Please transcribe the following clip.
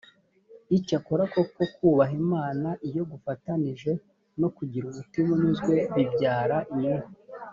icyakora koko kubaha imana iyo gufatanije no kugira umutima unyuzwe bibyara inyungu